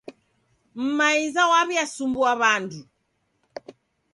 Mumaiza wawesumbua wandu